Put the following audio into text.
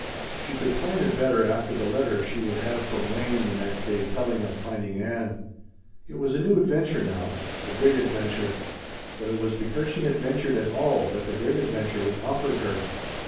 She could plan it better after the letter she would have from Wayne the next day telling of finding Ann. It was a new adventure now. The great adventure. But it was because she had ventured at all that the great adventure was offered her.